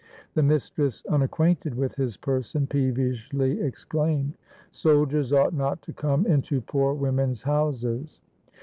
The mistress, unac quainted with his person, peevishly exclaimed, "Sol diers ought not to come into poor women's houses."